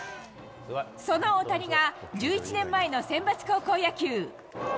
その大谷が、１１年前のセンバツ高校野球。